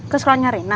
ke sekolahnya rena